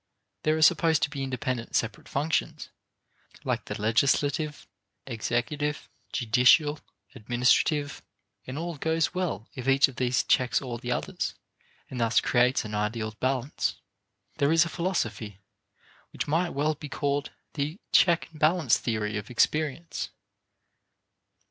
There are supposed to be independent separate functions, like the legislative, executive, judicial, administrative, and all goes well if each of these checks all the others and thus creates an ideal balance. There is a philosophy which might well be called the check and balance theory of experience.